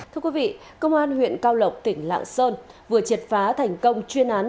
thưa quý vị công an huyện cao lộc tỉnh lạng sơn vừa triệt phá thành công chuyên án